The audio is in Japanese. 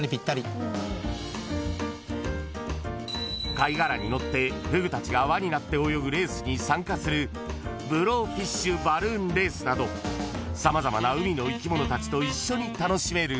［貝殻に乗ってフグたちが輪になって泳ぐレースに参加するブローフィッシュ・バルーンレースなど様々な海の生き物たちと一緒に楽しめるエリア］